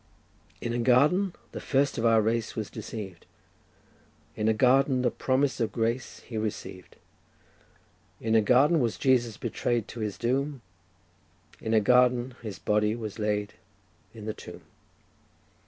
"In a garden the first of our race was deceived; In a garden the promise of grace he received; In a garden was Jesus betray'd to His doom; In a garden His body was laid in the tomb."